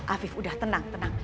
afif udah tenang tenang